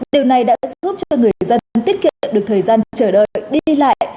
điều này đã giúp cho người dân tiết kiệm được thời gian chờ đợi đi lại